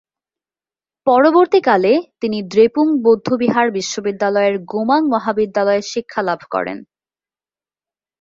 পরবর্তীকালে তিনি দ্রেপুং বৌদ্ধবিহার বিশ্ববিদ্যালয়ের গোমাং মহাবিদ্যালয়ে শিক্ষালাভ করেন।